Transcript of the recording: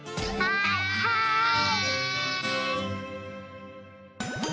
はい！